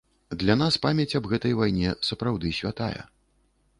Для нас памяць аб гэтай вайне сапраўды святая.